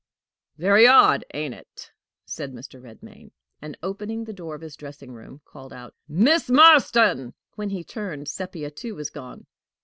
"Very odd ain't it?" said Mr. Redmain, and, opening the door of his dressing room, called out: "Miss Marston!" When he turned, Sepia too was gone.